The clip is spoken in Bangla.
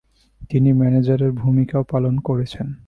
তিনি ম্যানেজারের ভূমিকাও পালন করেছেন।